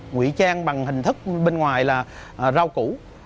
ngụy trang bằng hình thức bên ngoài là rau củ